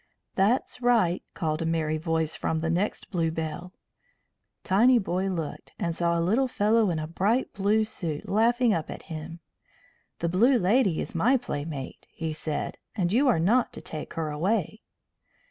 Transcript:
"That's right," called a merry voice from the next bluebell. Tinyboy looked and saw a little fellow in a bright blue suit laughing up at him. "The blue lady is my playmate," he said, "and you are not to take her away."